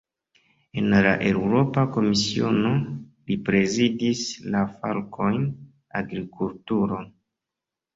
En la Eŭropa Komisiono, li prezidis la fakojn "agrikulturo".